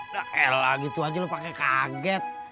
dahlah gitu saja lo pakai kaget